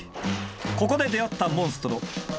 ここで出会ったモンストロ。